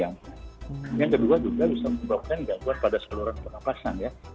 yang kedua juga bisa menyebabkan gangguan pada saluran pernafasan ya